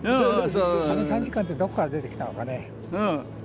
あの３時間ってどこから出てきたのかね？